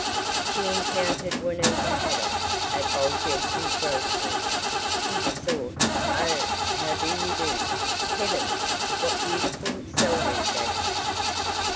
She encountered Juanita Haydock at Ole Jenson's grocery. She besought, "Oh, how do you do! Heavens, what beautiful celery that is!"